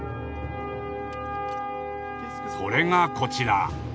それがこちら。